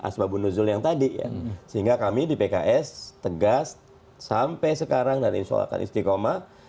satu orang instruksi juga